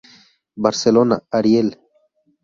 Barcelona, Ariel".